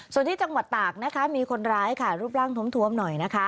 ส่วนที่จังหวัดตากนะคะมีคนร้ายค่ะรูปร่างท้วมหน่อยนะคะ